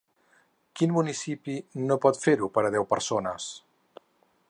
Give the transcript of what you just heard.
Quin municipi no pot fer-ho per a deu persones?